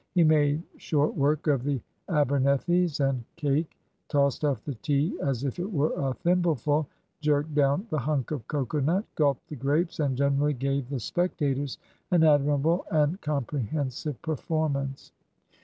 He made short work of the Abernethys and cake, tossed off the tea as if it were a thimbleful, jerked down the hunk of cocoa nut, gulped the grapes, and generally gave the spectators an admirable and comprehensive performance.